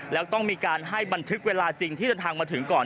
แล้วต้องมีการให้บันทึกเวลาจริงที่เดินทางมาถึงก่อน